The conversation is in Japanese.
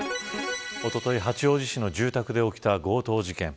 おととい八王子市の住宅で起きた強盗事件。